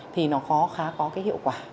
thì nó khá có hiệu quả